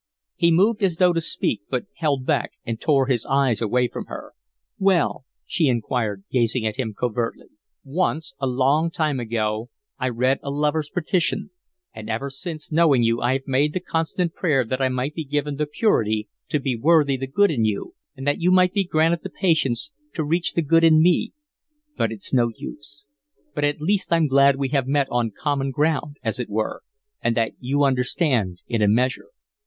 He moved as though to speak, but held back and tore his eyes away from her. "Well," she inquired, gazing at him covertly. "Once, a long time ago, I read a Lover's Petition, and ever since knowing you I have made the constant prayer that I might be given the purity to be worthy the good in you, and that you might be granted the patience to reach the good in me but it's no use. But at least I'm glad we have met on common ground, as it were, and that you understand, in a measure.